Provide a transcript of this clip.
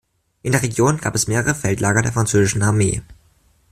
In der Region gab es mehrere Feldlager der französischen Armee.